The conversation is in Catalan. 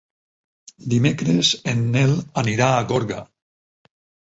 Dimecres en Nel anirà a Gorga.